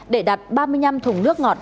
để đặt ba mươi năm thùng nước ngọt